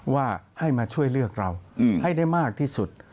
ว่าให้มาช่วยเลือกเราให้ได้มากที่สุด